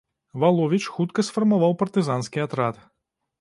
Валовіч хутка сфармаваў партызанскі атрад.